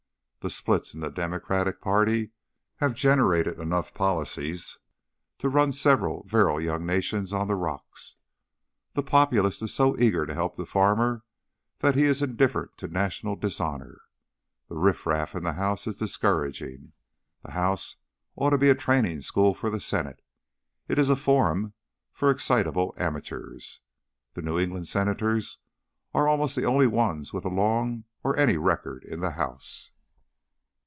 The splits in the Democratic party have generated enough policies to run several virile young nations on the rocks. The Populist is so eager to help the farmer that he is indifferent to national dishonour. The riff raff in the House is discouraging. The House ought to be a training school for the Senate. It is a forum for excitable amateurs. The New England Senators are almost the only ones with a long or any record in the House."